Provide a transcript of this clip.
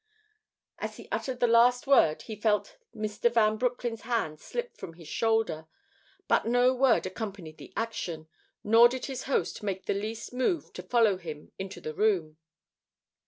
As he uttered the last word he felt Mr. Van Broecklyn's hand slip from his shoulder, but no word accompanied the action, nor did his host make the least move to follow him into the room.